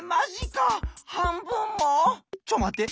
ちょっまって！